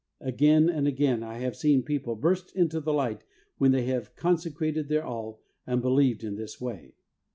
Again and again I have seen people burst into the light when they have consecrated their all and believed in this way.